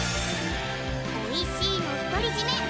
おいしいの独り占め